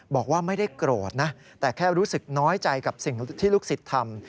บอกว่าไม่ได้โกรธนะแต่แค่รู้สึกน้อยใจกับสิ่งที่ลูกศิษย์ทำ